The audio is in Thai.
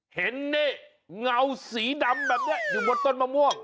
เห็นนี่เงาสีดำแบบนี้อยู่บนต้นมะม่วง